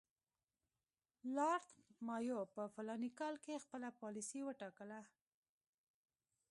لارډ مایو په فلاني کال کې خپله پالیسي وټاکله.